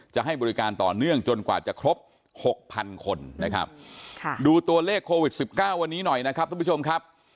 จะให้บริการต่อเนื่องจนกว่าจะครบหกพันคนนะครับดูตัวเลขโควิด๑๙วันนี้หน่อยนะครับทุกผู้ชมครับ